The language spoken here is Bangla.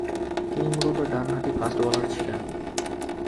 তিনি মূলতঃ ডানহাতি ফাস্ট-বোলার ছিলেন।